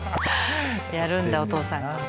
やるんだお父さんが。